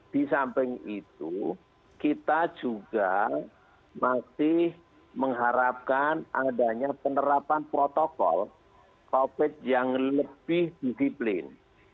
di samping itu kita juga masih mengharapkan adanya penerapan protokol covid yang lebih disiplin